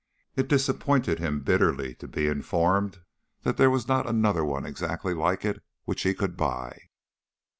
It disappointed him bitterly to be informed that there was not another one exactly like it which he could buy.